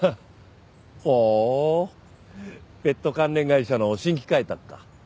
ほうペット関連会社の新規開拓か。